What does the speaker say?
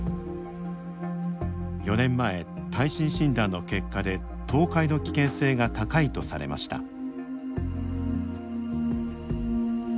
４年前、耐震診断の結果で倒壊の危険性が高いとされました。